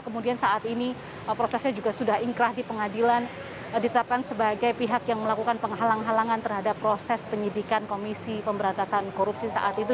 kemudian saat ini prosesnya juga sudah ingkrah di pengadilan ditetapkan sebagai pihak yang melakukan penghalang halangan terhadap proses penyidikan komisi pemberantasan korupsi saat itu